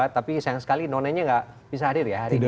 tapi sayang sekali nonenya nggak bisa hadir ya hari ini